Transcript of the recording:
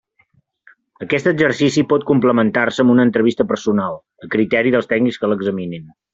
Aquest exercici pot complementar-se amb una entrevista personal, a criteri dels tècnics que l'examinin.